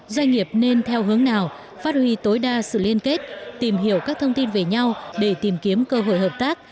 doanh nghiệp nên theo hướng nào phát huy tối đa sự liên kết tìm hiểu các thông tin về nhau để tìm kiếm cơ hội hợp tác